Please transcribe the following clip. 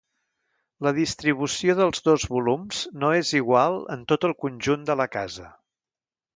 La distribució dels dos volums no és igual en tot el conjunt de la casa.